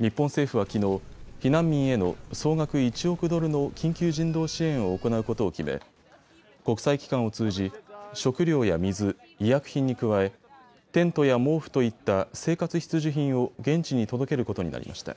日本政府はきのう、避難民への総額１億ドルの緊急人道支援を行うことを決め、国際機関を通じ食料や水、医薬品に加えテントや毛布といった生活必需品を現地に届けることになりました。